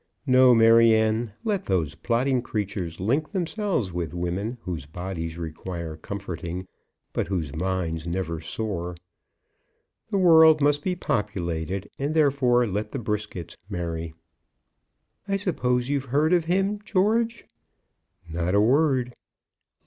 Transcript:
No, Maryanne! Let those plodding creatures link themselves with women whose bodies require comforting but whose minds never soar. The world must be populated, and therefore let the Briskets marry." "I suppose you've heard of him, George?" "Not a word."